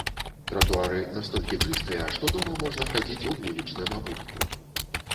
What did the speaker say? Тратуары настолькі чыстыя, што дома можна хадзіць у вулічным абутку.